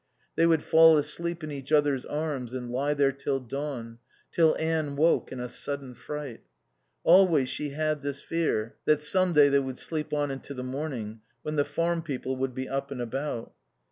They would fall asleep in each other's arms and lie there till dawn, till Anne woke in a sudden fright. Always she had this fear that some day they would sleep on into the morning, when the farm people would be up and about.